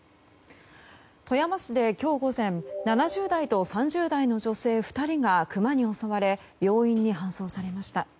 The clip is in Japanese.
富山市で今日午前７０代と３０代の女性２人がクマに襲われ病院に搬送されました。